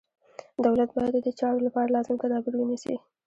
دولت باید ددې چارو لپاره لازم تدابیر ونیسي.